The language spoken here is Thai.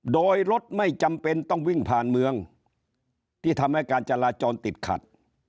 โดยรถไม่จำเป็นต้องวิ่งผ่านเมืองที่ทำให้การจราจรติดขัด